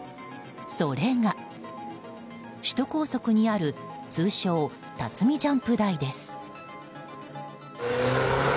それが首都高速にある通称、辰巳ジャンプ台です。